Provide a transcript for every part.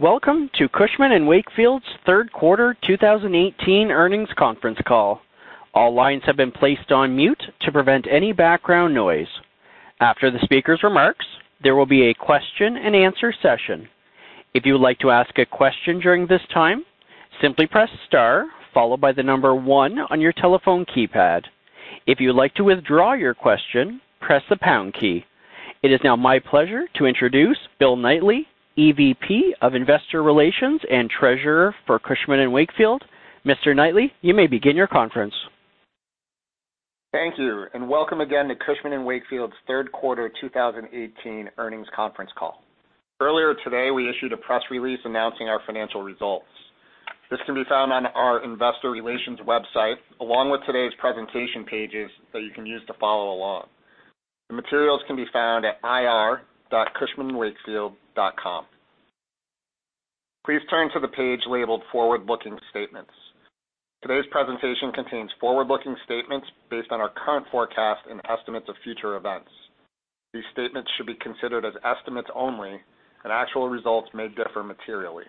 Welcome to Cushman & Wakefield's third quarter 2018 earnings conference call. All lines have been placed on mute to prevent any background noise. After the speaker's remarks, there will be a question and answer session. If you would like to ask a question during this time, simply press star, followed by 1 on your telephone keypad. If you'd like to withdraw your question, press the pound key. It is now my pleasure to introduce Bill Knightly, EVP of Investor Relations and Treasurer for Cushman & Wakefield. Mr. Knightly, you may begin your conference. Thank you. Welcome again to Cushman & Wakefield's third quarter 2018 earnings conference call. Earlier today, we issued a press release announcing our financial results. This can be found on our investor relations website, along with today's presentation pages that you can use to follow along. The materials can be found at ir.cushmanwakefield.com. Please turn to the page labeled Forward-Looking Statements. Today's presentation contains forward-looking statements based on our current forecasts and estimates of future events. These statements should be considered as estimates only, and actual results may differ materially.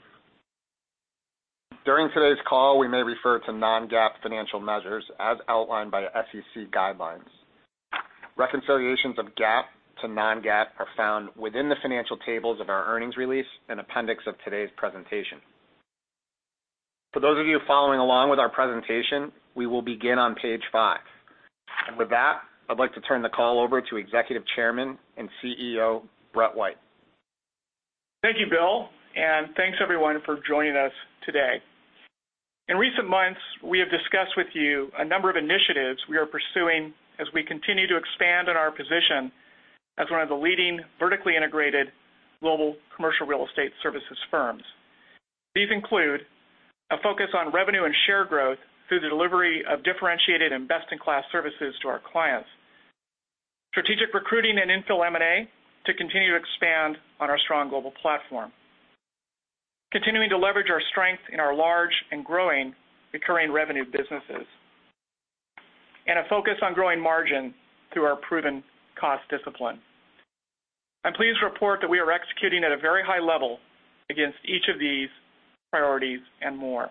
During today's call, we may refer to non-GAAP financial measures as outlined by SEC guidelines. Reconciliations of GAAP to non-GAAP are found within the financial tables of our earnings release and appendix of today's presentation. For those of you following along with our presentation, we will begin on page five. With that, I'd like to turn the call over to Executive Chairman and CEO, Brett White. Thank you, Bill. Thanks everyone for joining us today. In recent months, we have discussed with you a number of initiatives we are pursuing as we continue to expand on our position as one of the leading vertically integrated global commercial real estate services firms. These include a focus on revenue and share growth through the delivery of differentiated and best-in-class services to our clients. Strategic recruiting and infill M&A to continue to expand on our strong global platform. Continuing to leverage our strength in our large and growing recurring revenue businesses. A focus on growing margin through our proven cost discipline. I'm pleased to report that we are executing at a very high level against each of these priorities and more.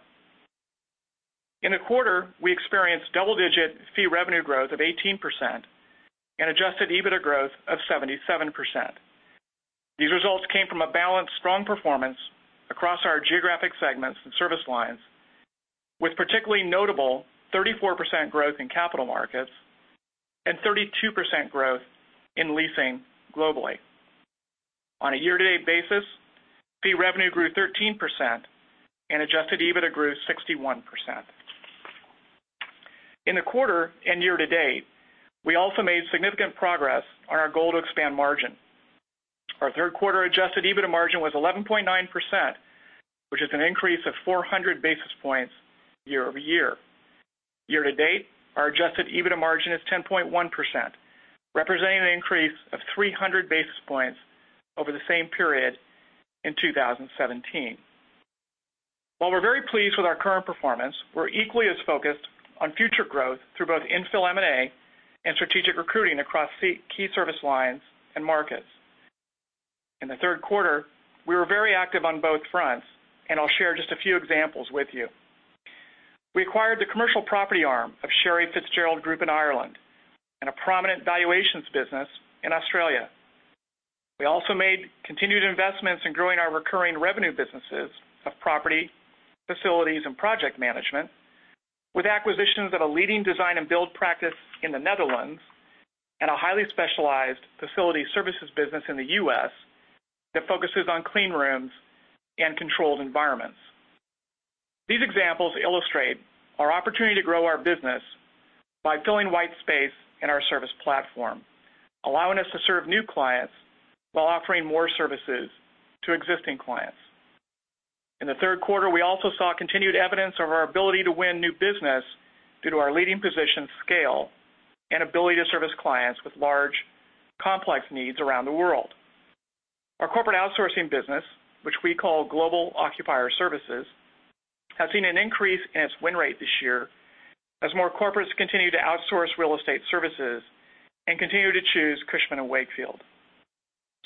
In the quarter, we experienced double-digit fee revenue growth of 18% and adjusted EBITDA growth of 77%. These results came from a balanced, strong performance across our geographic segments and service lines, with particularly notable 34% growth in capital markets and 32% growth in leasing globally. On a year-to-date basis, fee revenue grew 13% and adjusted EBITDA grew 61%. In the quarter and year to date, we also made significant progress on our goal to expand margin. Our third quarter adjusted EBITDA margin was 11.9%, which is an increase of 400 basis points year-over-year. Year to date, our adjusted EBITDA margin is 10.1%, representing an increase of 300 basis points over the same period in 2017. While we're very pleased with our current performance, we're equally as focused on future growth through both infill M&A and strategic recruiting across key service lines and markets. In the third quarter, we were very active on both fronts, and I'll share just a few examples with you. We acquired the commercial property arm of Sherry FitzGerald Group in Ireland and a prominent valuation business in Australia. We also made continued investments in growing our recurring revenue businesses of property, facilities, and project management with acquisitions of a leading design and build practice in the Netherlands and a highly specialized facility services business in the U.S. that focuses on clean rooms and controlled environments. These examples illustrate our opportunity to grow our business by filling white space in our service platform, allowing us to serve new clients while offering more services to existing clients. In the third quarter, we also saw continued evidence of our ability to win new business due to our leading position, scale, and ability to service clients with large, complex needs around the world. Our corporate outsourcing business, which we call Global Occupier Services, has seen an increase in its win rate this year as more corporates continue to outsource real estate services and continue to choose Cushman & Wakefield.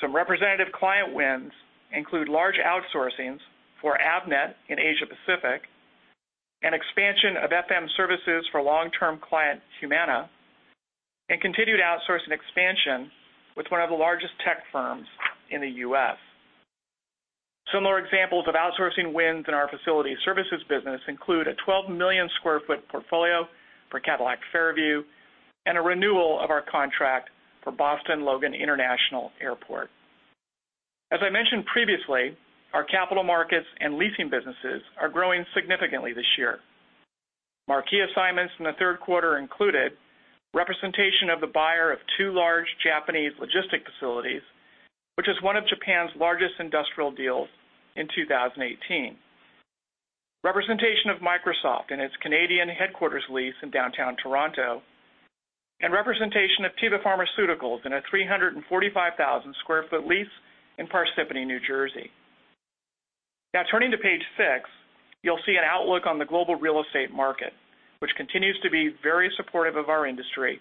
Some representative client wins include large outsourcings for Avnet in Asia Pacific, an expansion of FM services for long-term client Humana, and continued outsourcing expansion with one of the largest tech firms in the U.S. Some more examples of outsourcing wins in our facility services business include a 12 million sq ft portfolio for Cadillac Fairview and a renewal of our contract for Boston Logan International Airport. As I mentioned previously, our capital markets and leasing businesses are growing significantly this year. Marquee assignments in the third quarter included representation of the buyer of two large Japanese logistic facilities, which is one of Japan's largest industrial deals in 2018. Representation of Microsoft in its Canadian headquarters lease in downtown Toronto, and representation of Teva Pharmaceuticals in a 345,000 sq ft lease in Parsippany, New Jersey. Turning to page six, you'll see an outlook on the global real estate market, which continues to be very supportive of our industry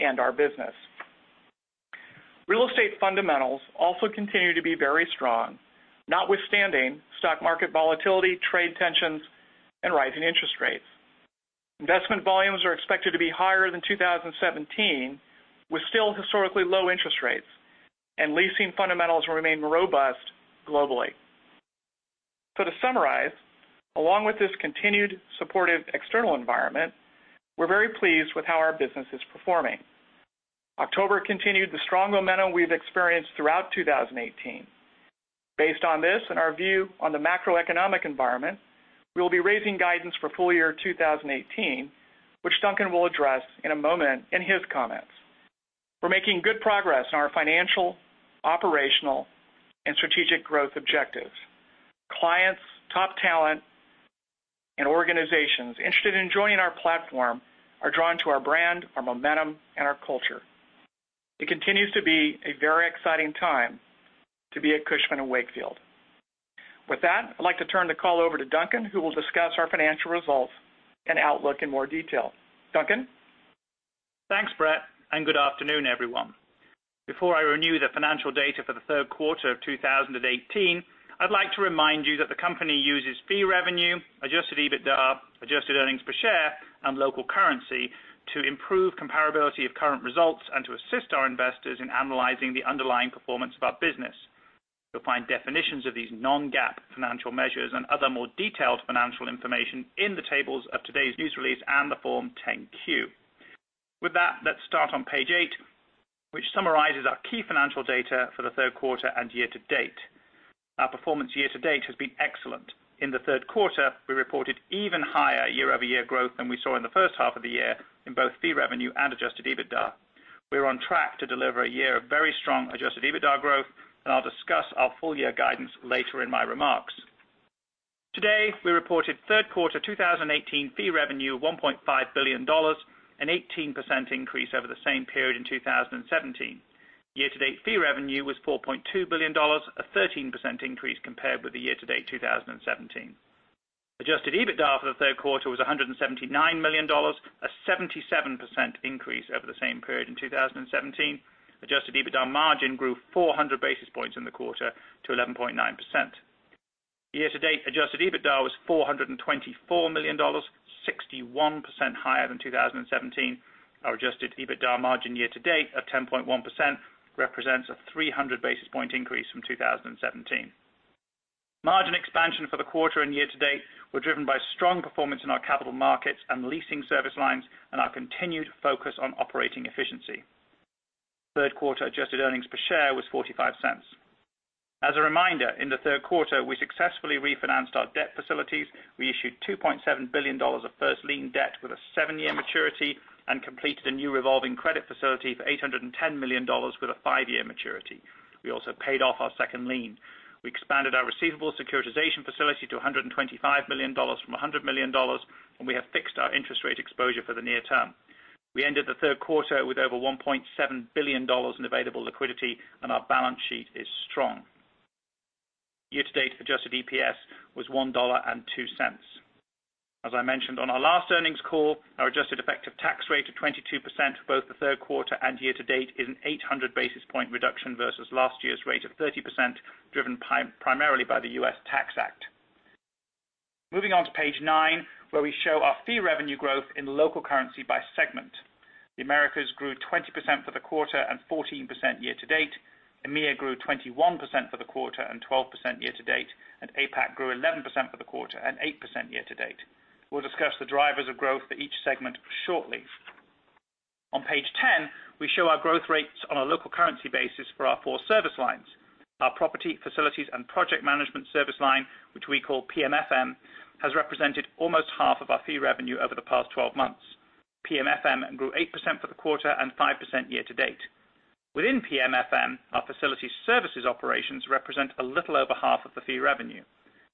and our business. Real estate fundamentals also continue to be very strong, notwithstanding stock market volatility, trade tensions, and rising interest rates. Investment volumes are expected to be higher than 2017, with still historically low interest rates, and leasing fundamentals will remain robust globally. To summarize, along with this continued supportive external environment, we're very pleased with how our business is performing. October continued the strong momentum we've experienced throughout 2018. Based on this and our view on the macroeconomic environment, we'll be raising guidance for full year 2018, which Duncan will address in a moment in his comments. We're making good progress on our financial, operational, and strategic growth objectives. Clients, top talent, and organizations interested in joining our platform are drawn to our brand, our momentum, and our culture. It continues to be a very exciting time to be at Cushman & Wakefield. With that, I'd like to turn the call over to Duncan, who will discuss our financial results and outlook in more detail. Duncan? Thanks, Brett. Good afternoon, everyone. Before I review the financial data for the third quarter of 2018, I'd like to remind you that the company uses fee revenue, adjusted EBITDA, adjusted earnings per share, and local currency to improve comparability of current results and to assist our investors in analyzing the underlying performance of our business. You'll find definitions of these non-GAAP financial measures and other more detailed financial information in the tables of today's news release and the Form 10-Q. With that, let's start on page eight, which summarizes our key financial data for the third quarter and year to date. Our performance year to date has been excellent. In the third quarter, we reported even higher year-over-year growth than we saw in the first half of the year in both fee revenue and adjusted EBITDA. We're on track to deliver a year of very strong adjusted EBITDA growth. I'll discuss our full year guidance later in my remarks. Today, we reported third quarter 2018 fee revenue of $1.5 billion, an 18% increase over the same period in 2017. Year-to-date fee revenue was $4.2 billion, a 13% increase compared with year-to-date 2017. Adjusted EBITDA for the third quarter was $179 million, a 77% increase over the same period in 2017. Adjusted EBITDA margin grew 400 basis points in the quarter to 11.9%. Year-to-date adjusted EBITDA was $424 million, 61% higher than 2017. Our adjusted EBITDA margin year to date of 10.1% represents a 300 basis point increase from 2017. Margin expansion for the quarter and year to date were driven by strong performance in our capital markets and leasing service lines and our continued focus on operating efficiency. Third quarter adjusted earnings per share was $0.45. As a reminder, in the third quarter, we successfully refinanced our debt facilities. We issued $2.7 billion of first lien debt with a seven-year maturity and completed a new revolving credit facility for $810 million with a five-year maturity. We also paid off our second lien. We expanded our receivable securitization facility to $125 million from $100 million. We have fixed our interest rate exposure for the near term. We ended the third quarter with over $1.7 billion in available liquidity. Our balance sheet is strong. Year-to-date adjusted EPS was $1.02. As I mentioned on our last earnings call, our adjusted effective tax rate of 22% both the third quarter and year to date is an 800 basis point reduction versus last year's rate of 30%, driven primarily by the U.S. Tax Act. Moving on to page nine, where we show our fee revenue growth in local currency by segment. The Americas grew 20% for the quarter and 14% year-to-date. EMEA grew 21% for the quarter and 12% year-to-date. APAC grew 11% for the quarter and 8% year-to-date. We will discuss the drivers of growth for each segment shortly. On page 10, we show our growth rates on a local currency basis for our four service lines. Our property facilities and project management service line, which we call PMFM, has represented almost half of our fee revenue over the past 12 months. PMFM grew 8% for the quarter and 5% year-to-date. Within PMFM, our facility services operations represent a little over half of the fee revenue.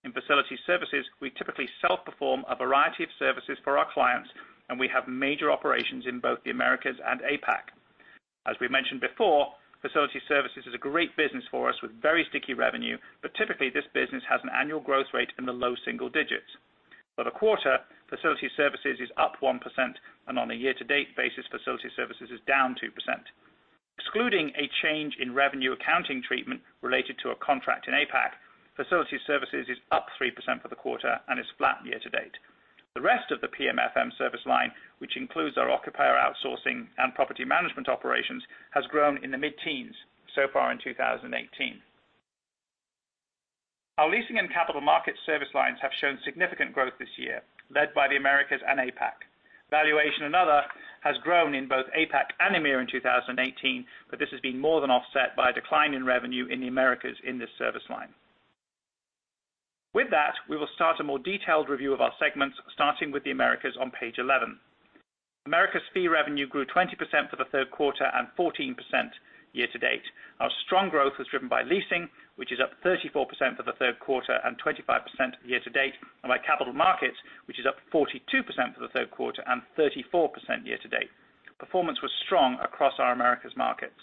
In facility services, we typically self-perform a variety of services for our clients, and we have major operations in both the Americas and APAC. As we mentioned before, facility services is a great business for us with very sticky revenue, but typically this business has an annual growth rate in the low single digits. For the quarter, facility services is up 1%, and on a year-to-date basis, facility services is down 2%. Excluding a change in revenue accounting treatment related to a contract in APAC, facility services is up 3% for the quarter and is flat year-to-date. The rest of the PMFM service line, which includes our occupier outsourcing and property management operations, has grown in the mid-teens so far in 2018. Our leasing and capital markets service lines have shown significant growth this year, led by the Americas and APAC. Valuation and other has grown in both APAC and EMEA in 2018, but this has been more than offset by a decline in revenue in the Americas in this service line. With that, we will start a more detailed review of our segments, starting with the Americas on page 11. Americas fee revenue grew 20% for the third quarter and 14% year-to-date. Our strong growth was driven by leasing, which is up 34% for the third quarter and 25% year-to-date, and by capital markets, which is up 42% for the third quarter and 34% year-to-date. Performance was strong across our Americas markets.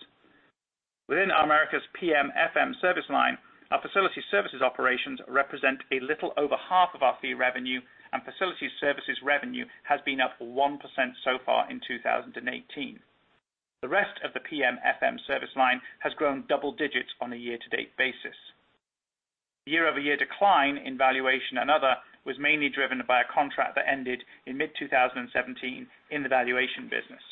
Within our Americas' PMFM service line, our facility services operations represent a little over half of our fee revenue, and facility services revenue has been up 1% so far in 2018. The rest of the PMFM service line has grown double digits on a year-to-date basis. Year-over-year decline in valuation and other was mainly driven by a contract that ended in mid-2017 in the valuation business.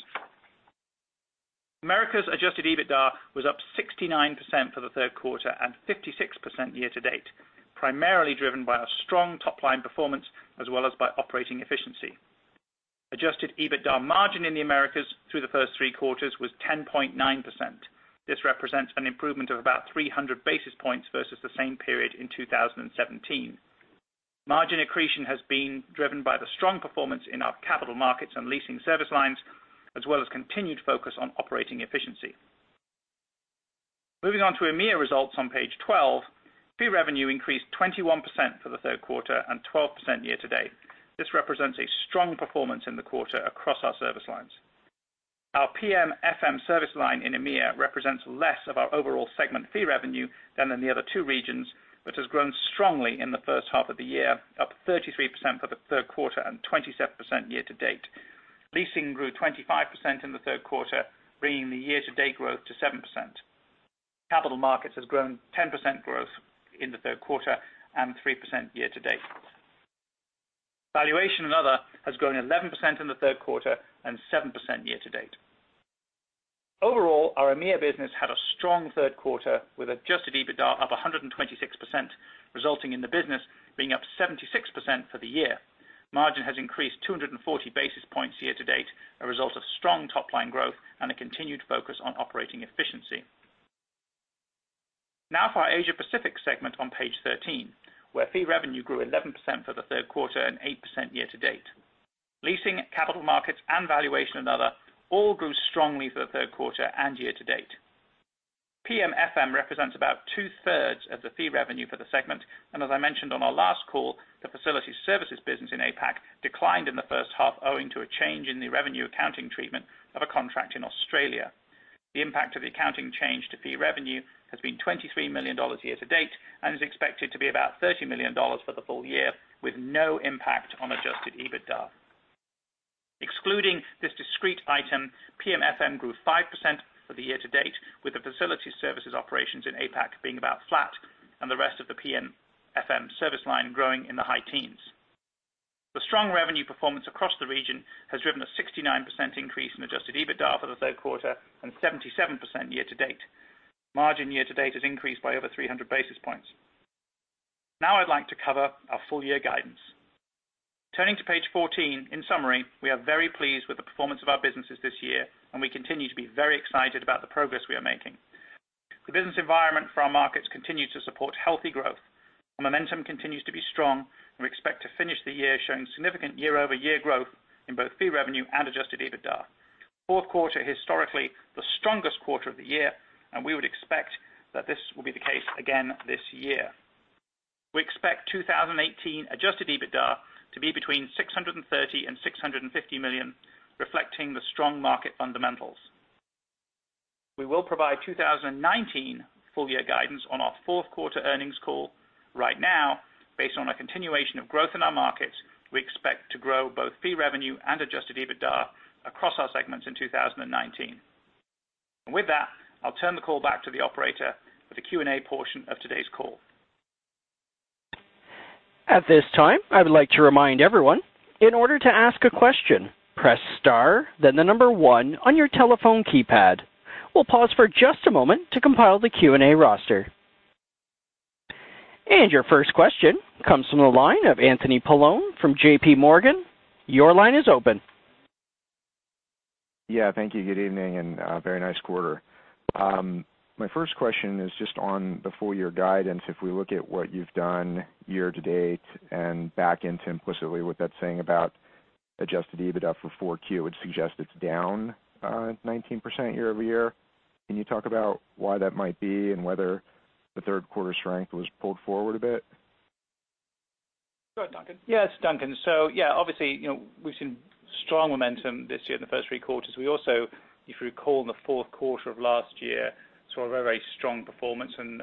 Americas' adjusted EBITDA was up 69% for the third quarter and 56% year-to-date, primarily driven by a strong top-line performance as well as by operating efficiency. Adjusted EBITDA margin in the Americas through the first three quarters was 10.9%. This represents an improvement of about 300 basis points versus the same period in 2017. Margin accretion has been driven by the strong performance in our capital markets and leasing service lines, as well as continued focus on operating efficiency. Moving on to EMEA results on page 12. Fee revenue increased 21% for the third quarter and 12% year-to-date. This represents a strong performance in the quarter across our service lines. Our PMFM service line in EMEA represents less of our overall segment fee revenue than in the other two regions, but has grown strongly in the first half of the year, up 33% for the third quarter and 27% year-to-date. Leasing grew 25% in the third quarter, bringing the year-to-date growth to 7%. Capital markets has grown 10% growth in the third quarter and 3% year-to-date. Valuation and other has grown 11% in the third quarter and 7% year-to-date. Overall, our EMEA business had a strong third quarter with adjusted EBITDA up 126%, resulting in the business being up 76% for the year. Margin has increased 240 basis points year-to-date, a result of strong top-line growth and a continued focus on operating efficiency. For our Asia Pacific segment on page 13, where fee revenue grew 11% for the third quarter and 8% year-to-date. Leasing, capital markets, and valuation and other all grew strongly for the third quarter and year-to-date. PMFM represents about two-thirds of the fee revenue for the segment, as I mentioned on our last call, the facility services business in APAC declined in the first half owing to a change in the revenue accounting treatment of a contract in Australia. The impact of the accounting change to fee revenue has been $23 million year-to-date and is expected to be about $30 million for the full year, with no impact on adjusted EBITDA. Excluding this discrete item, PMFM grew 5% for the year-to-date, with the facility services operations in APAC being about flat and the rest of the PMFM service line growing in the high teens. The strong revenue performance across the region has driven a 69% increase in adjusted EBITDA for the third quarter and 77% year-to-date. Margin year-to-date has increased by over 300 basis points. I'd like to cover our full year guidance. Turning to page 14, in summary, we are very pleased with the performance of our businesses this year, and we continue to be very excited about the progress we are making. The business environment for our markets continues to support healthy growth. Our momentum continues to be strong, and we expect to finish the year showing significant year-over-year growth in both fee revenue and adjusted EBITDA. Fourth quarter historically the strongest quarter of the year, we would expect that this will be the case again this year. We expect 2018 adjusted EBITDA to be between $630 million and $650 million, reflecting the strong market fundamentals. We will provide 2019 full year guidance on our fourth quarter earnings call. Based on a continuation of growth in our markets, we expect to grow both fee revenue and adjusted EBITDA across our segments in 2019. With that, I'll turn the call back to the operator for the Q&A portion of today's call. At this time, I would like to remind everyone, in order to ask a question, press star, then the number one on your telephone keypad. We'll pause for just a moment to compile the Q&A roster. Your first question comes from the line of Anthony Paolone from JPMorgan. Your line is open. Yeah, thank you. Good evening, and very nice quarter. My first question is just on the full year guidance. If we look at what you've done year to date and back into implicitly what that's saying about adjusted EBITDA for 4Q, it would suggest it's down 19% year-over-year. Can you talk about why that might be and whether the third quarter strength was pulled forward a bit? Go ahead, Duncan. Yeah, it's Duncan. Yeah, obviously, we've seen strong momentum this year in the first three quarters. We also, if you recall, in the fourth quarter of last year, saw a very strong performance and,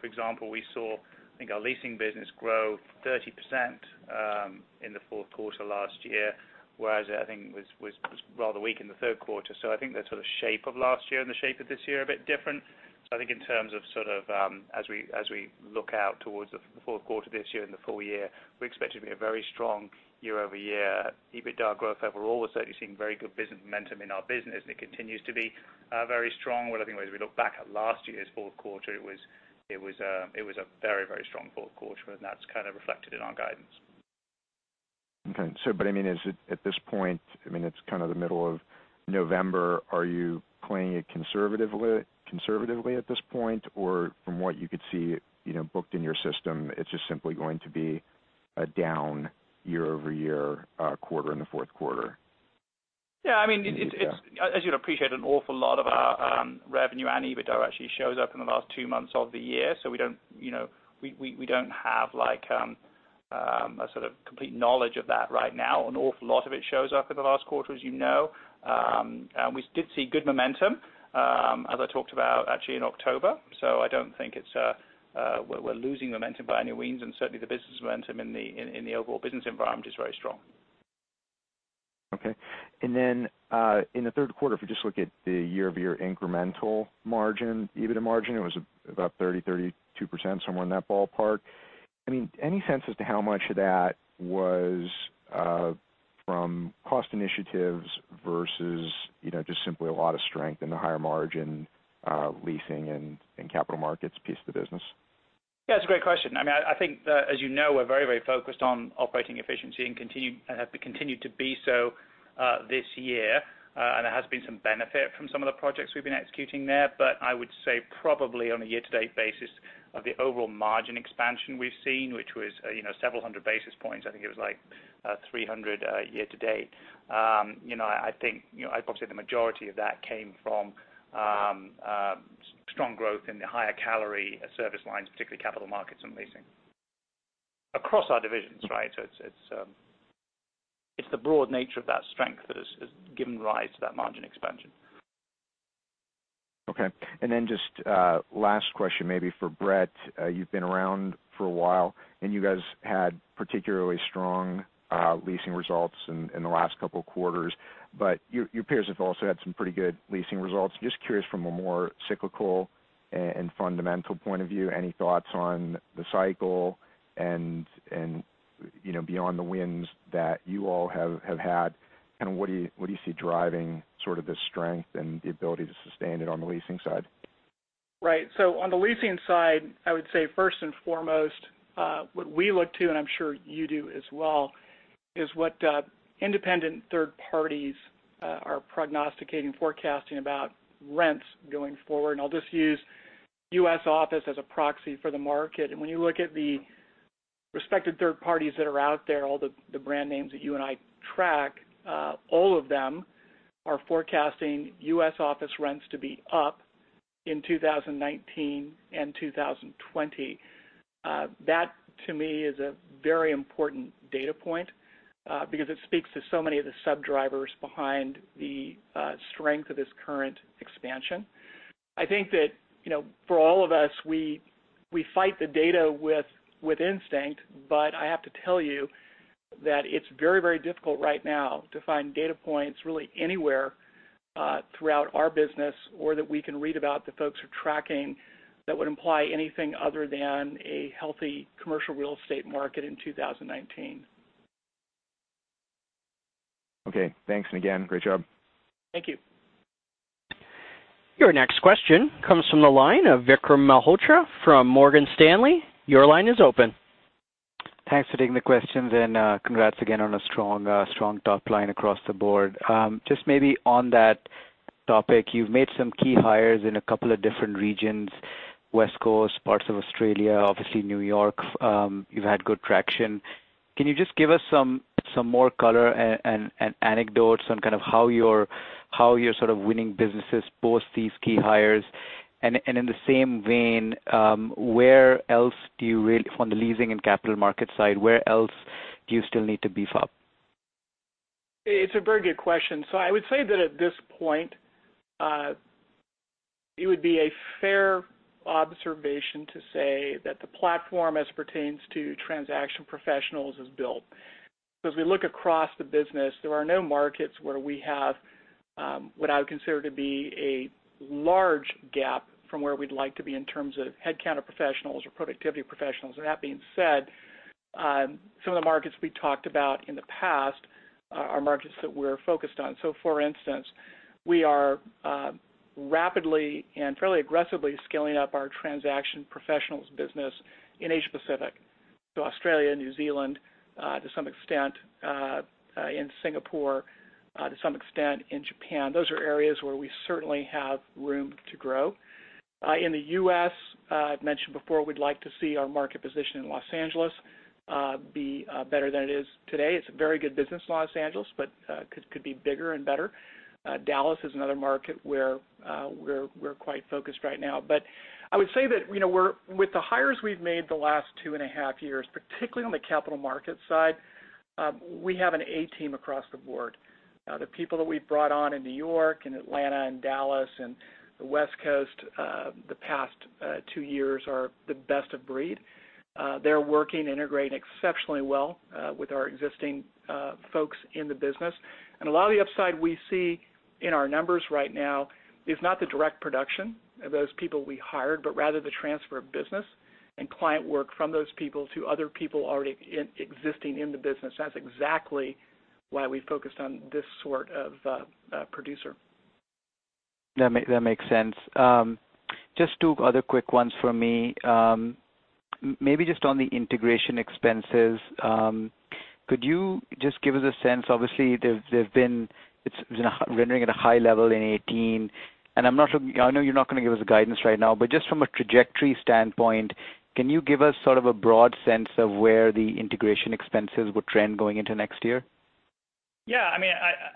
for example, we saw, I think our leasing business grow 30% in the fourth quarter last year, whereas I think it was rather weak in the third quarter. I think the sort of shape of last year and the shape of this year are a bit different. I think in terms of sort of as we look out towards the fourth quarter this year and the full year, we expect it to be a very strong year-over-year EBITDA growth overall. We're certainly seeing very good business momentum in our business, and it continues to be very strong. I think when we look back at last year's fourth quarter, it was a very strong fourth quarter, and that's kind of reflected in our guidance. Okay. I mean, is it at this point, I mean, it's kind of the middle of November. Are you playing it conservatively at this point, or from what you could see booked in your system, it's just simply going to be a down year-over-year quarter in the fourth quarter? Yeah. I mean, it's, as you'd appreciate, an awful lot of our revenue and EBITDA actually shows up in the last two months of the year. We don't have like a sort of complete knowledge of that right now. An awful lot of it shows up in the last quarter, as you know. We did see good momentum, as I talked about actually in October. I don't think we're losing momentum by any means, and certainly the business momentum in the overall business environment is very strong. Okay. In the third quarter, if we just look at the year-over-year incremental margin, EBITDA margin, it was about 30%-32%, somewhere in that ballpark. Any sense as to how much of that was from cost initiatives versus just simply a lot of strength in the higher margin leasing and capital markets piece of the business? Yeah, that's a great question. I think that, as you know, we're very focused on operating efficiency and have continued to be so this year. There has been some benefit from some of the projects we've been executing there. I would say probably on a year-to-date basis of the overall margin expansion we've seen, which was several hundred basis points, I think it was like 300 year-to-date. I'd probably say the majority of that came from strong growth in the higher calorie service lines, particularly capital markets and leasing. Across our divisions. It's the broad nature of that strength that has given rise to that margin expansion. Okay. Just last question maybe for Brett. You've been around for a while, and you guys had particularly strong leasing results in the last couple of quarters. Your peers have also had some pretty good leasing results. Just curious from a more cyclical and fundamental point of view, any thoughts on the cycle and beyond the wins that you all have had, what do you see driving sort of the strength and the ability to sustain it on the leasing side? Right. On the leasing side, I would say first and foremost, what we look to, and I'm sure you do as well, is what independent third parties are prognosticating, forecasting about rents going forward. I'll just use U.S. office as a proxy for the market. When you look at the respected third parties that are out there, all the brand names that you and I track, all of them are forecasting U.S. office rents to be up in 2019 and 2020. That to me is a very important data point, because it speaks to so many of the sub-drivers behind the strength of this current expansion. I think that for all of us, we fight the data with instinct, but I have to tell you that it's very difficult right now to find data points really anywhere throughout our business or that we can read about that folks are tracking that would imply anything other than a healthy commercial real estate market in 2019. Okay, thanks. Again, great job. Thank you. Your next question comes from the line of Vikram Malhotra from Morgan Stanley. Your line is open. Thanks for taking the questions. Congrats again on a strong top line across the board. Just maybe on that topic, you've made some key hires in a couple of different regions, West Coast, parts of Australia, obviously New York. You've had good traction. Can you just give us some more color and anecdotes on kind of how you're sort of winning businesses post these key hires? In the same vein, on the leasing and capital market side, where else do you still need to beef up? It's a very good question. I would say that at this point, it would be a fair observation to say that the platform as pertains to transaction professionals is built. Because we look across the business, there are no markets where we have what I would consider to be a large gap from where we'd like to be in terms of headcount of professionals or productivity professionals. That being said, some of the markets we talked about in the past are markets that we're focused on. For instance, we are rapidly and fairly aggressively scaling up our transaction professionals business in Asia Pacific. Australia, New Zealand, to some extent in Singapore, to some extent in Japan. Those are areas where we certainly have room to grow. In the U.S., I've mentioned before we'd like to see our market position in Los Angeles be better than it is today. It's a very good business in Los Angeles, but could be bigger and better. Dallas is another market where we're quite focused right now. I would say that with the hires we've made the last two and a half years, particularly on the capital markets side, we have an A team across the board. The people that we've brought on in New York and Atlanta and Dallas and the West Coast the past two years are the best of breed. They're working, integrating exceptionally well with our existing folks in the business. A lot of the upside we see in our numbers right now is not the direct production of those people we hired, but rather the transfer of business and client work from those people to other people already existing in the business. That's exactly why we focused on this sort of producer. That makes sense. Just two other quick ones for me. Maybe just on the integration expenses, could you just give us a sense, obviously it's rendering at a high level in 2018. I know you're not going to give us a guidance right now, but just from a trajectory standpoint, can you give us sort of a broad sense of where the integration expenses would trend going into next year?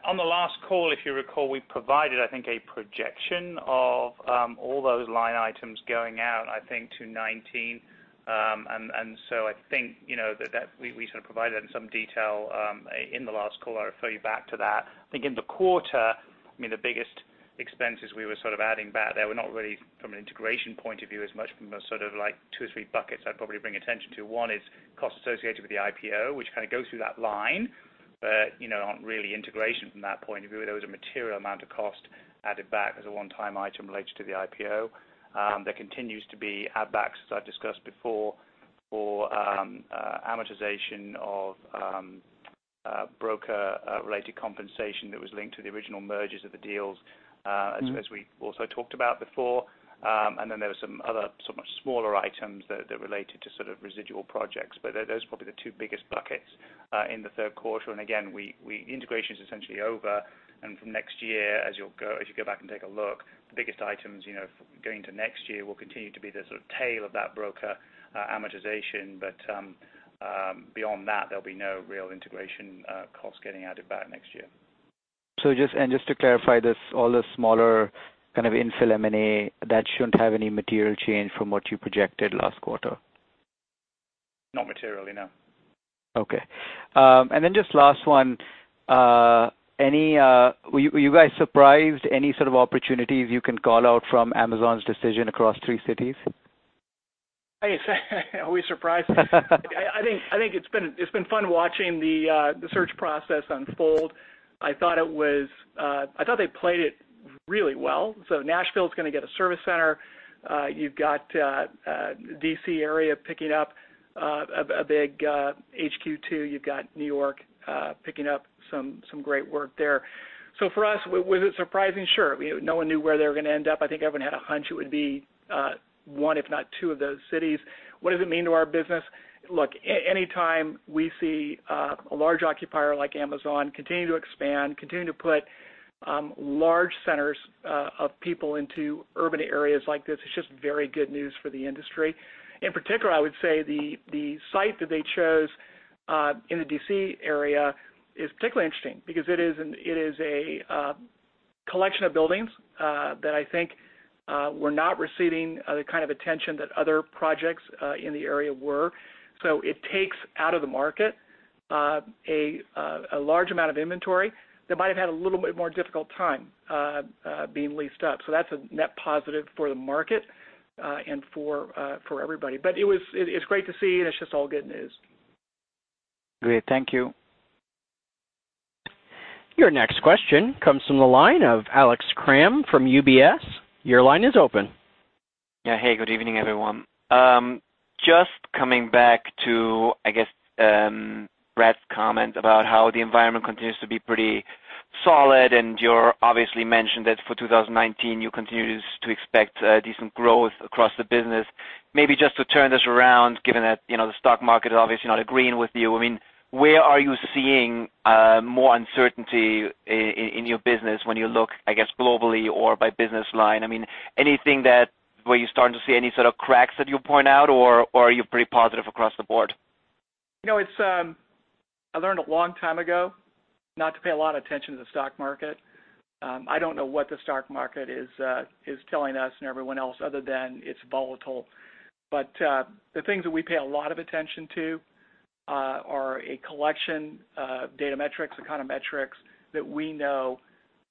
On the last call, if you recall, we provided, I think, a projection of all those line items going out, I think, to 2019. I think that we sort of provided that in some detail in the last call. I refer you back to that. I think in the quarter, the biggest expenses we were sort of adding back there were not really from an integration point of view as much from a sort of two or three buckets I'd probably bring attention to. One is costs associated with the IPO, which kind of go through that line, but aren't really integration from that point of view, although there was a material amount of cost added back as a one-time item related to the IPO. There continues to be add backs, as I've discussed before, for amortization of broker-related compensation that was linked to the original mergers of the deals as we also talked about before. There were some other sort of much smaller items that related to sort of residual projects. Those are probably the two biggest buckets in the third quarter. Again, the integration's essentially over. From next year, as you go back and take a look, the biggest items going into next year will continue to be the sort of tail of that broker amortization. Beyond that, there'll be no real integration costs getting added back next year. Just to clarify this, all the smaller kind of infill M&A, that shouldn't have any material change from what you projected last quarter. Not materially, no. Just last one. Were you guys surprised? Any sort of opportunities you can call out from Amazon's decision across three cities? Are we surprised? I think it's been fun watching the search process unfold. I thought they played it really well. Nashville is going to get a service center. You've got D.C. area picking up a big HQ2. You've got New York picking up some great work there. For us, was it surprising? Sure. No one knew where they were going to end up. I think everyone had a hunch it would be one, if not two of those cities. What does it mean to our business? Look, any time we see a large occupier like Amazon continue to expand, continue to put large centers of people into urban areas like this, it is just very good news for the industry. In particular, I would say the site that they chose in the D.C. area is particularly interesting because it is a collection of buildings that I think were not receiving the kind of attention that other projects in the area were. It takes out of the market a large amount of inventory that might have had a little bit more difficult time being leased up. That's a net positive for the market and for everybody. It's great to see, and it's just all good news. Great. Thank you. Your next question comes from the line of Alex Kramm from UBS. Your line is open. Yeah. Hey, good evening, everyone. Coming back to, I guess, Brett's comment about how the environment continues to be pretty solid, and you obviously mentioned that for 2019, you continue to expect decent growth across the business. Maybe just to turn this around, given that the stock market is obviously not agreeing with you, where are you seeing more uncertainty in your business when you look, I guess, globally or by business line? Were you starting to see any sort of cracks that you'll point out, or are you pretty positive across the board? I learned a long time ago not to pay a lot of attention to the stock market. I don't know what the stock market is telling us and everyone else other than it's volatile. The things that we pay a lot of attention to are a collection of data metrics, the kind of metrics that we know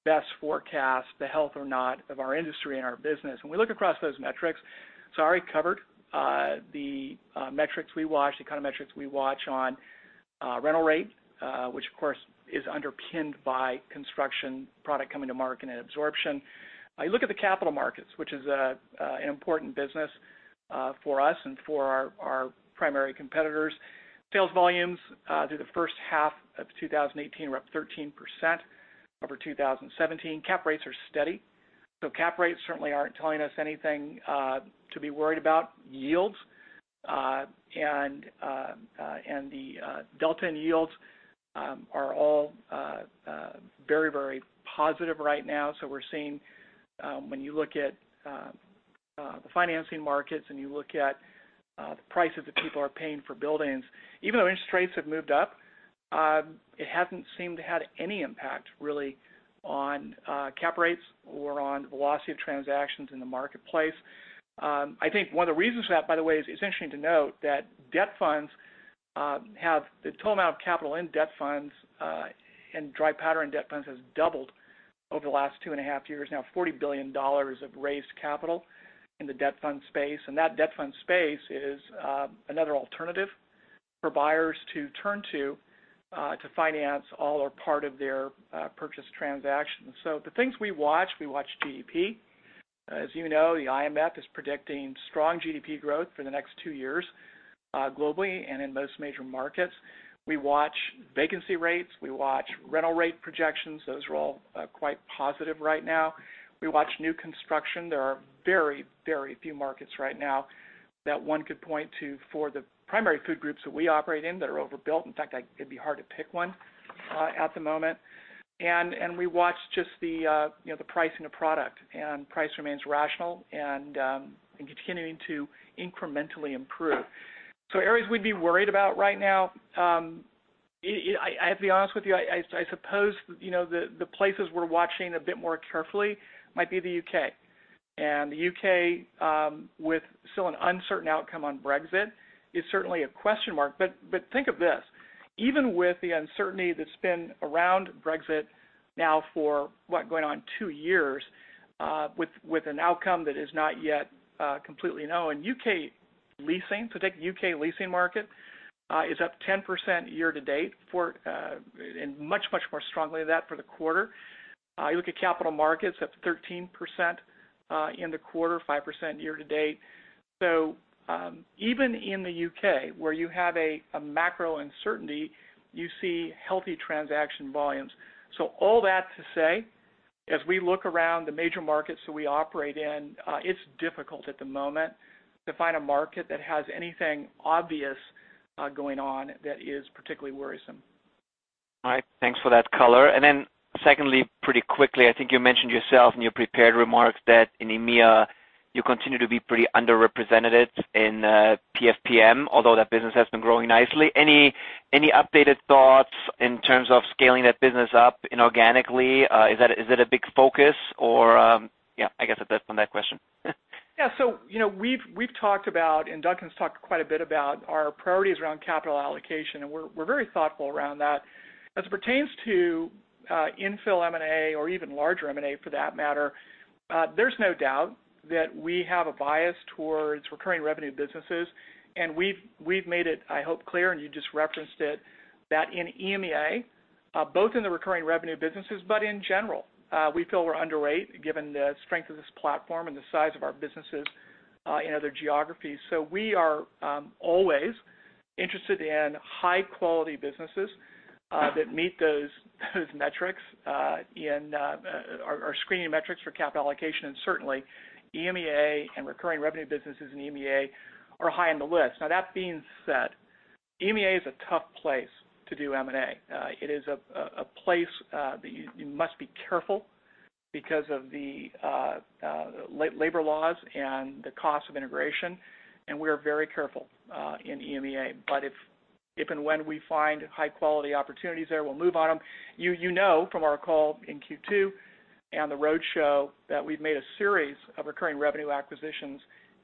best forecast the health or not of our industry and our business. When we look across those metrics, I already covered the kind of metrics we watch on rental rate, which of course is underpinned by construction product coming to market and absorption. I look at the capital markets, which is an important business for us and for our primary competitors. Sales volumes through the first half of 2018 were up 13% over 2017. Cap rates are steady. Cap rates certainly aren't telling us anything to be worried about. Yields and the delta in yields are all very positive right now. We're seeing when you look at the financing markets and you look at the prices that people are paying for buildings, even though interest rates have moved up, it hasn't seemed to had any impact really on cap rates or on velocity of transactions in the marketplace. I think one of the reasons for that, by the way, is it's interesting to note that the total amount of capital in debt funds and dry powder in debt funds has doubled over the last two and a half years. Now $40 billion of raised capital in the debt fund space. That debt fund space is another alternative for buyers to turn to finance all or part of their purchase transactions. The things we watch, we watch GDP. As you know, the IMF is predicting strong GDP growth for the next two years globally and in most major markets. We watch vacancy rates. We watch rental rate projections. Those are all quite positive right now. We watch new construction. There are very few markets right now that one could point to for the primary food groups that we operate in that are overbuilt. In fact, it'd be hard to pick one at the moment. And price remains rational and continuing to incrementally improve. Areas we'd be worried about right now, I have to be honest with you, I suppose, the places we're watching a bit more carefully might be the U.K. The U.K., with still an uncertain outcome on Brexit, is certainly a question mark. Think of this, even with the uncertainty that's been around Brexit now for what? Going on two years, with an outcome that is not yet completely known. U.K. leasing, so take the U.K. leasing market, is up 10% year-to-date, and much, much more strongly than that for the quarter. You look at capital markets up 13% in the quarter, 5% year-to-date. Even in the U.K., where you have a macro uncertainty, you see healthy transaction volumes. All that to say, as we look around the major markets that we operate in, it's difficult at the moment to find a market that has anything obvious going on that is particularly worrisome. All right. Thanks for that color. Secondly, pretty quickly, I think you mentioned yourself in your prepared remarks that in EMEA, you continue to be pretty underrepresented in PMFM, although that business has been growing nicely. Any updated thoughts in terms of scaling that business up inorganically? Is it a big focus, or I guess that's my next question. We've talked about, and Duncan's talked quite a bit about our priorities around capital allocation, we're very thoughtful around that. As it pertains to infill M&A or even larger M&A for that matter, there's no doubt that we have a bias towards recurring revenue businesses. We've made it, I hope, clear, and you just referenced it, that in EMEA both in the recurring revenue businesses, but in general, we feel we're underrepresented given the strength of this platform and the size of our businesses in other geographies. We are always interested in high-quality businesses that meet those metrics, our screening metrics for capital allocation. Certainly, EMEA and recurring revenue businesses in EMEA are high on the list. That being said, EMEA is a tough place to do M&A. It is a place that you must be careful because of the labor laws and the cost of integration, we are very careful in EMEA. If and when we find high-quality opportunities there, we'll move on them. You know from our call in Q2 and the roadshow that we've made a series of recurring revenue acquisitions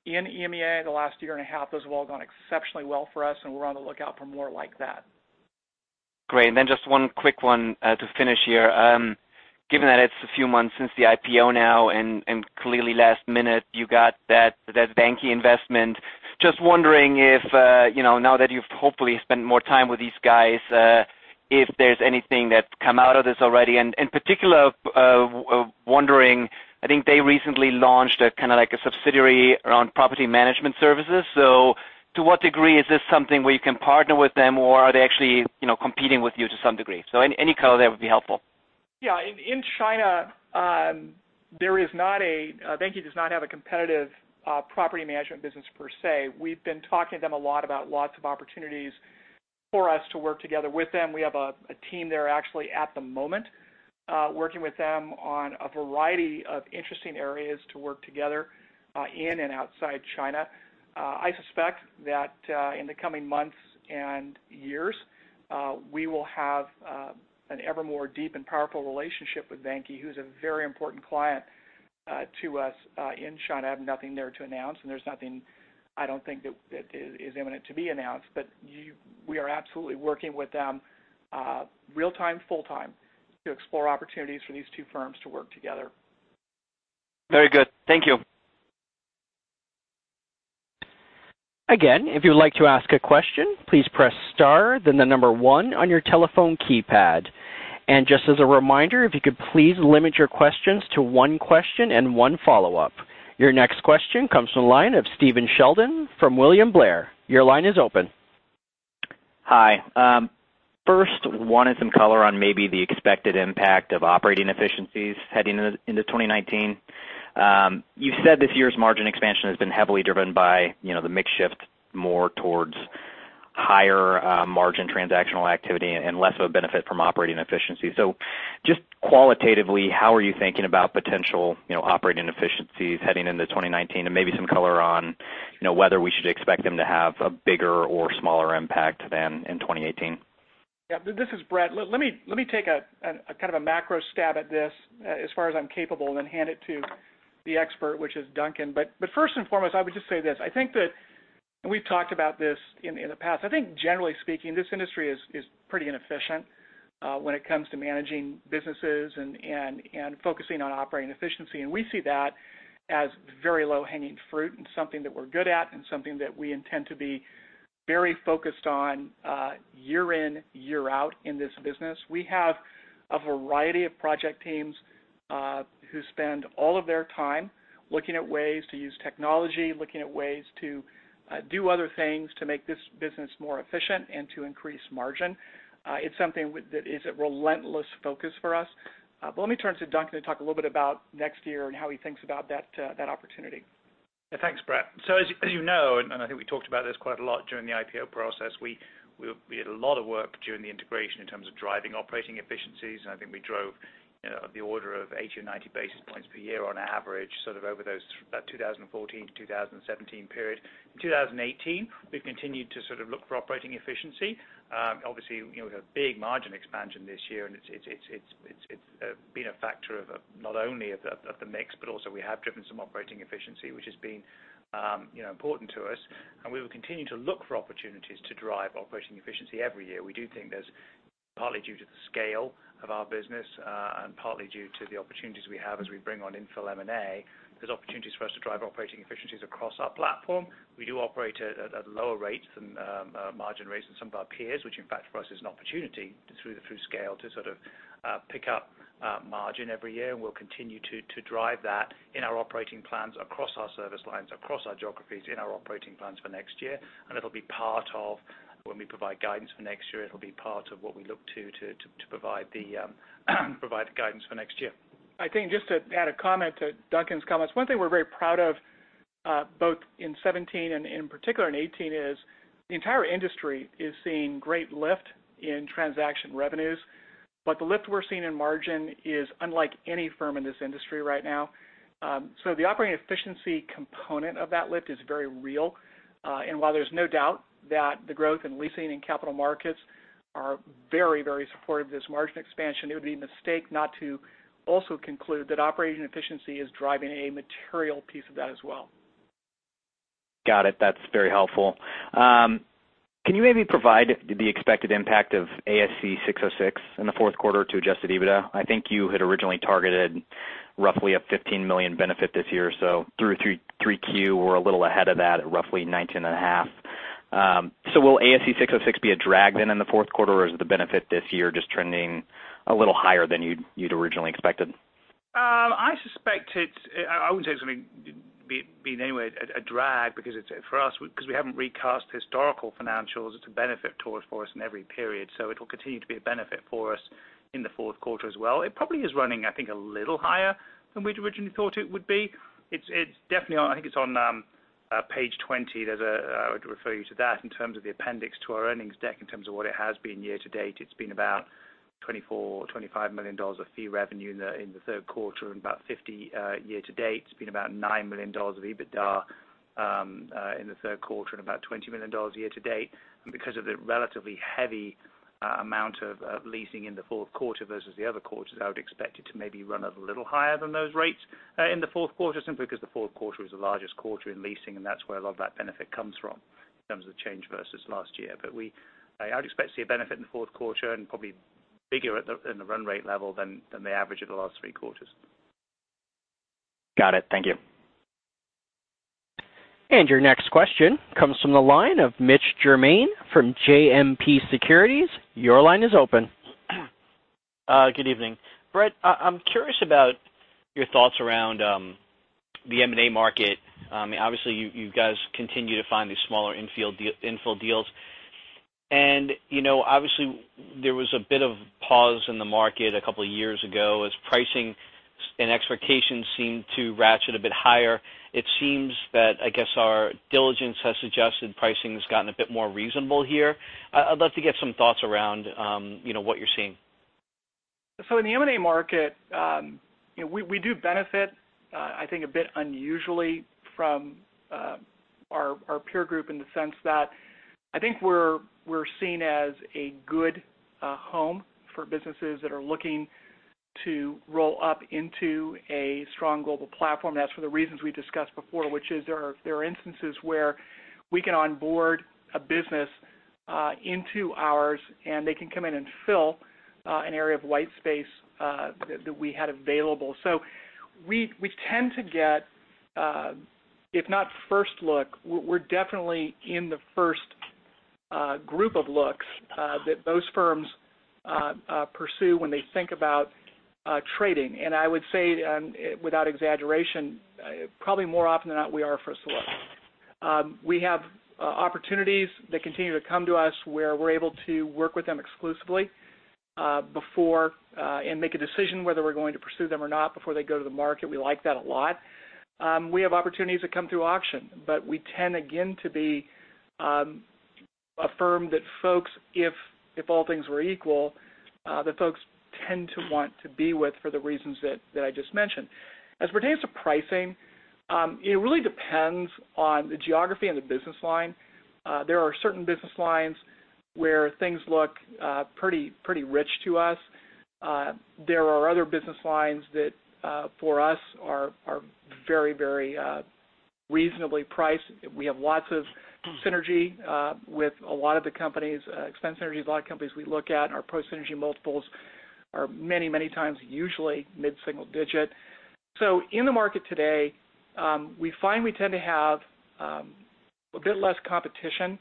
in EMEA in the last year and a half. Those have all gone exceptionally well for us, and we're on the lookout for more like that. Great. Just one quick one to finish here. Given that it's a few months since the IPO now, clearly last minute you got that Vanke investment. Just wondering if now that you've hopefully spent more time with these guys, if there's anything that's come out of this already. In particular, wondering, I think they recently launched a kind of subsidiary around property management services. To what degree is this something where you can partner with them, or are they actually competing with you to some degree? Any color there would be helpful. Yeah. In China, Vanke does not have a competitive property management business per se. We've been talking to them a lot about lots of opportunities for us to work together with them. We have a team there actually at the moment, working with them on a variety of interesting areas to work together, in and outside China. I suspect that in the coming months and years, we will have an ever more deep and powerful relationship with Vanke, who's a very important client to us in China. I have nothing there to announce, there's nothing, I don't think, that is imminent to be announced. We are absolutely working with them real-time, full-time to explore opportunities for these two firms to work together. Very good. Thank you. Again, if you'd like to ask a question, please press star, then the number 1 on your telephone keypad. Just as a reminder, if you could please limit your questions to one question and one follow-up. Your next question comes from the line of Stephen Sheldon from William Blair. Your line is open. Hi. First, wanted some color on maybe the expected impact of operating efficiencies heading into 2019. You said this year's margin expansion has been heavily driven by the mix shift more towards higher margin transactional activity and less of a benefit from operating efficiency. Just qualitatively, how are you thinking about potential operating efficiencies heading into 2019? Maybe some color on whether we should expect them to have a bigger or smaller impact than in 2018. Yeah. This is Brett. Let me take a kind of a macro stab at this as far as I'm capable, then hand it to the expert, which is Duncan. First and foremost, I would just say this, we've talked about this in the past. I think generally speaking, this industry is pretty inefficient when it comes to managing businesses and focusing on operating efficiency. We see that as very low-hanging fruit and something that we're good at and something that we intend to be very focused on year in, year out in this business. We have a variety of project teams who spend all of their time looking at ways to use technology, looking at ways to do other things to make this business more efficient and to increase margin. It's something that is a relentless focus for us. Let me turn to Duncan to talk a little bit about next year and how he thinks about that opportunity. Thanks, Brett. As you know, and I think we talked about this quite a lot during the IPO process, we had a lot of work during the integration in terms of driving operating efficiencies. I think we drove of the order of 80 or 90 basis points per year on average, sort of over that 2014 to 2017 period. In 2018, we've continued to sort of look for operating efficiency. Obviously, we had a big margin expansion this year, and it's been a factor of not only of the mix, but also we have driven some operating efficiency, which has been important to us. We will continue to look for opportunities to drive operating efficiency every year. We do think there's, partly due to the scale of our business, and partly due to the opportunities we have as we bring on infill M&A, there's opportunities for us to drive operating efficiencies across our platform. We do operate at lower rates than margin rates than some of our peers, which in fact for us is an opportunity through scale to sort of pick up margin every year. We'll continue to drive that in our operating plans across our service lines, across our geographies in our operating plans for next year. When we provide guidance for next year, it'll be part of what we look to provide guidance for next year. I think just to add a comment to Duncan's comments, one thing we're very proud of, both in 2017 and in particular in 2018 is the entire industry is seeing great lift in transaction revenues. The lift we're seeing in margin is unlike any firm in this industry right now. The operating efficiency component of that lift is very real. While there's no doubt that the growth in leasing and capital markets are very supportive of this margin expansion, it would be a mistake not to also conclude that operating efficiency is driving a material piece of that as well. Got it. That's very helpful. Can you maybe provide the expected impact of ASC 606 in the fourth quarter to adjusted EBITDA? I think you had originally targeted roughly a $15 million benefit this year or so through Q3. We're a little ahead of that at roughly $19.5 million. Will ASC 606 be a drag then in the fourth quarter, or is the benefit this year just trending a little higher than you'd originally expected? I wouldn't say it's going to be in any way a drag because for us, because we haven't recast historical financials, it's a benefit for us in every period. It'll continue to be a benefit for us in the fourth quarter as well. It probably is running, I think, a little higher than we'd originally thought it would be. I think it's on page 20. I would refer you to that in terms of the appendix to our earnings deck in terms of what it has been year to date. It's been about $24 or $25 million of fee revenue in the third quarter and about $50 million year to date. It's been about $9 million of EBITDA in the third quarter and about $20 million year to date. Because of the relatively heavy amount of leasing in the fourth quarter versus the other quarters, I would expect it to maybe run a little higher than those rates in the fourth quarter, simply because the fourth quarter is the largest quarter in leasing, and that's where a lot of that benefit comes from in terms of change versus last year. I would expect to see a benefit in the fourth quarter and probably bigger in the run rate level than the average of the last three quarters. Got it. Thank you. Your next question comes from the line of Mitch Germain from JMP Securities. Your line is open. Good evening. Brett, I'm curious about your thoughts around the M&A market. Obviously, you guys continue to find these smaller infill deals. Obviously, there was a bit of a pause in the market a couple of years ago as pricing and expectations seem to ratchet a bit higher. It seems that, I guess our diligence has suggested pricing has gotten a bit more reasonable here. I'd love to get some thoughts around what you're seeing. In the M&A market, we do benefit I think a bit unusually from our peer group in the sense that I think we are seen as a good home for businesses that are looking to roll up into a strong global platform. That is for the reasons we discussed before, which is there are instances where we can onboard a business into ours, and they can come in and fill an area of white space that we had available. We tend to get, if not first look, we are definitely in the first group of looks that those firms pursue when they think about trading. I would say without exaggeration, probably more often than not, we are a first look. We have opportunities that continue to come to us where we are able to work with them exclusively and make a decision whether we are going to pursue them or not before they go to the market. We like that a lot. We have opportunities that come through auction, but we tend again, to be a firm that folks, if all things were equal, that folks tend to want to be with for the reasons that I just mentioned. As pertains to pricing, it really depends on the geography and the business line. There are certain business lines where things look pretty rich to us. There are other business lines that for us are very reasonably priced. We have lots of synergy with a lot of the companies, expense synergies with a lot of companies we look at. Our post-synergy multiples are many times usually mid-single digit. In the market today, we find we tend to have a bit less competition,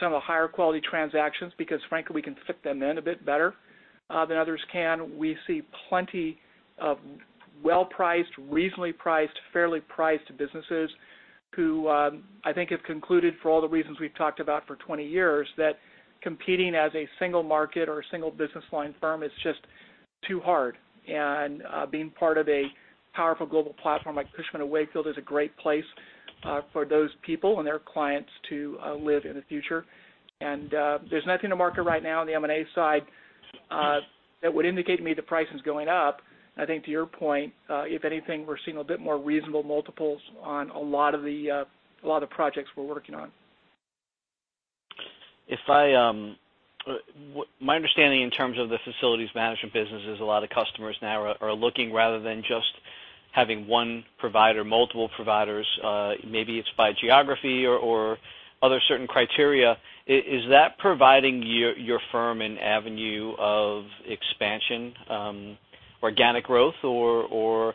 some of the higher quality transactions, because frankly, we can fit them in a bit better than others can. We see plenty of well-priced, reasonably priced, fairly priced businesses who I think have concluded for all the reasons we have talked about for 20 years, that competing as a single market or a single business line firm is just too hard. Being part of a powerful global platform like Cushman & Wakefield is a great place for those people and their clients to live in the future. There is nothing in the market right now on the M&A side that would indicate to me the price is going up. I think to your point, if anything, we are seeing a bit more reasonable multiples on a lot of the projects we are working on. My understanding in terms of the facilities management business is a lot of customers now are looking rather than just having one provider, multiple providers, maybe it is by geography or other certain criteria. Is that providing your firm an avenue of expansion, organic growth, or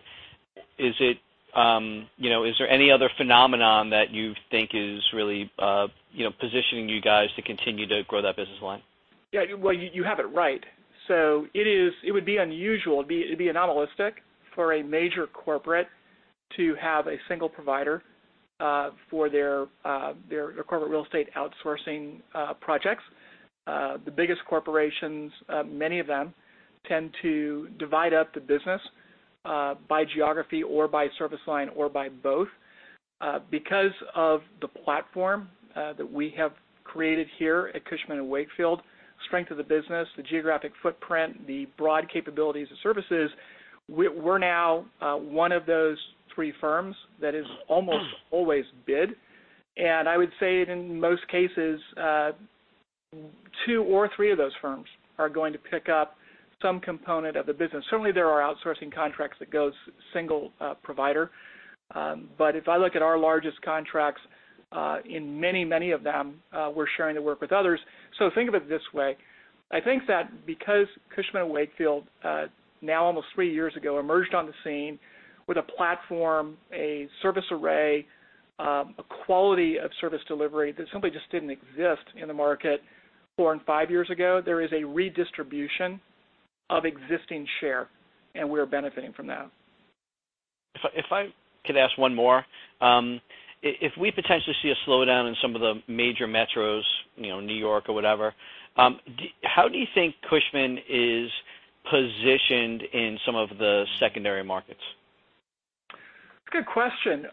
is there any other phenomenon that you think is really positioning you guys to continue to grow that business line? Yeah. Well, you have it right. It would be unusual, it'd be anomalistic for a major corporate to have a single provider for their corporate real estate outsourcing projects. The biggest corporations, many of them tend to divide up the business by geography or by service line or by both. Because of the platform that we have created here at Cushman & Wakefield, strength of the business, the geographic footprint, the broad capabilities of services, we're now one of those three firms that is almost always bid. I would say it in most cases, two or three of those firms are going to pick up some component of the business. Certainly, there are outsourcing contracts that goes single provider. If I look at our largest contracts, in many of them, we're sharing the work with others. Think of it this way. I think that because Cushman & Wakefield, now almost three years ago, emerged on the scene with a platform, a service array, a quality of service delivery that simply just didn't exist in the market four and five years ago, there is a redistribution of existing share. We're benefiting from that. If I could ask one more. If we potentially see a slowdown in some of the major metros, New York or whatever, how do you think Cushman is positioned in some of the secondary markets? Good question.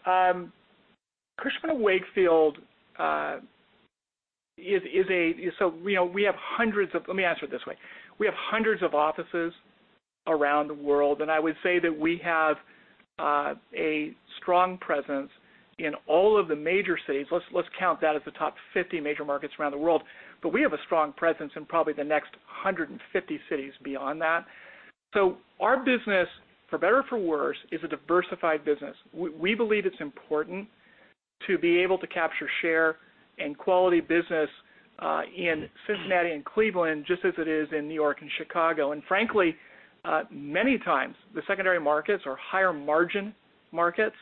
Cushman & Wakefield, let me answer it this way. We have hundreds of offices around the world. I would say that we have a strong presence in all of the major cities. Let's count that as the top 50 major markets around the world. We have a strong presence in probably the next 150 cities beyond that. Our business, for better or for worse, is a diversified business. We believe it's important to be able to capture, share, and quality business in Cincinnati and Cleveland, just as it is in New York and Chicago. Frankly, many times the secondary markets are higher margin markets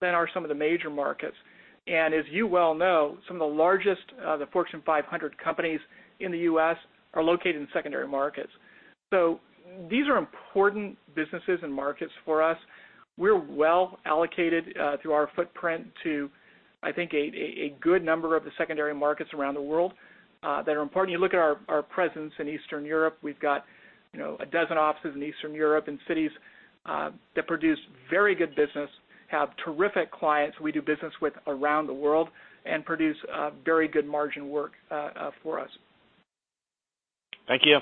than are some of the major markets. As you well know, some of the largest, the Fortune 500 companies in the U.S. are located in secondary markets. These are important businesses and markets for us. We're well allocated through our footprint to, I think, a good number of the secondary markets around the world that are important. You look at our presence in Eastern Europe, we've got a dozen offices in Eastern Europe and cities that produce very good business, have terrific clients we do business with around the world, and produce very good margin work for us. Thank you.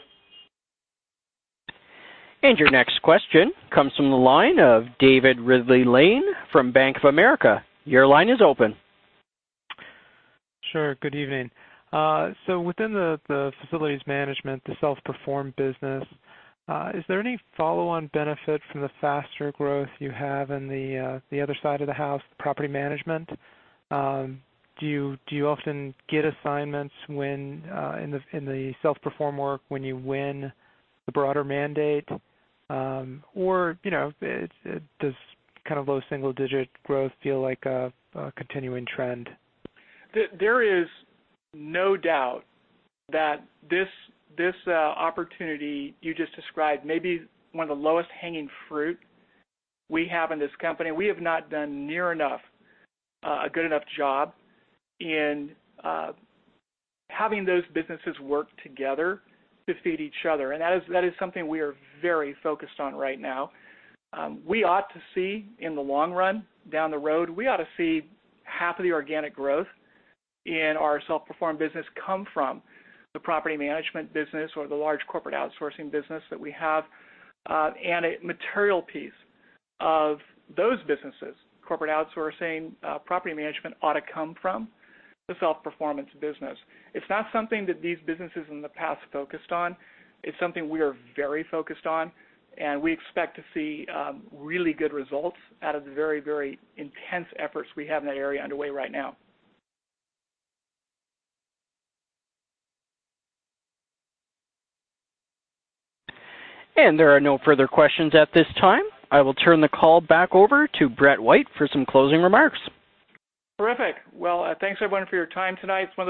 Your next question comes from the line of David Ridley-Lane from Bank of America. Your line is open. Sure. Good evening. Within the facilities management, the self-perform business, is there any follow-on benefit from the faster growth you have in the other side of the house, property management? Do you often get assignments in the self-perform work when you win the broader mandate? Or does kind of low single-digit growth feel like a continuing trend? There is no doubt that this opportunity you just described may be one of the lowest hanging fruit we have in this company. We have not done near enough a good enough job in having those businesses work together to feed each other. That is something we are very focused on right now. We ought to see in the long run, down the road, we ought to see half of the organic growth in our self-perform business come from the property management business or the large corporate outsourcing business that we have. A material piece of those businesses, corporate outsourcing, property management ought to come from the self-performance business. It's not something that these businesses in the past focused on. It's something we are very focused on, we expect to see really good results out of the very intense efforts we have in that area underway right now. There are no further questions at this time. I will turn the call back over to Brett White for some closing remarks. Terrific. Well, thanks everyone for your time tonight.